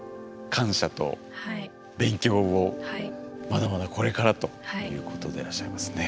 まだまだこれからということでらっしゃいますね。